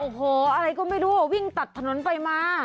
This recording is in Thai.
โอ้โหอะไรก็ไม่รู้วิ่งตัดถนนไปมา